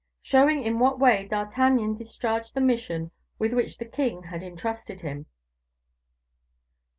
Showing in What Way D'Artagnan Discharged the Mission with Which the King Had Intrusted Him.